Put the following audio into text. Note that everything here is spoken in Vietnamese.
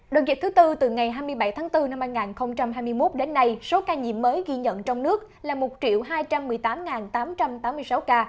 đợt dịch thứ tư từ ngày hai mươi bảy tháng bốn năm hai nghìn hai mươi một đến nay số ca nhiễm mới ghi nhận trong nước là một hai trăm một mươi tám tám trăm tám mươi sáu ca